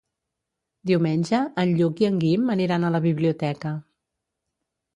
Diumenge en Lluc i en Guim aniran a la biblioteca.